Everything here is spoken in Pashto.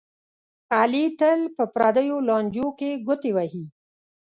علي تل په پردیو لانجو کې ګوتې وهي.